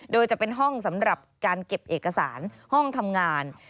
โดยจะเป็นห้องสำหรับการเก็บเอกสารห้องทำงาน